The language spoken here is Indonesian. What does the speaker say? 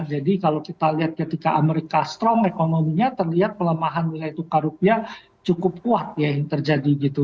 jadi kalau kita lihat ketika amerika strong ekonominya terlihat pelemahan nilai tukar rupiah cukup kuat ya yang terjadi gitu